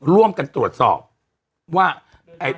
ร่วมกันตรวจสอบว่า